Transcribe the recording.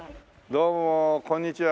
どうもこんにちは。